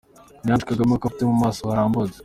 ni Ange kagame kuko afite mumaso harambutse.